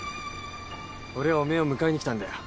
俺はおめえを迎えに来たんだよ。